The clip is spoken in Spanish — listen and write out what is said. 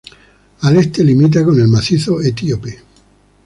Al este limita con el macizo Etíope.